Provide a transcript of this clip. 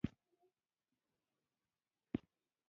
هلمند سیند د افغانستان د چاپیریال د مدیریت لپاره مهم دی.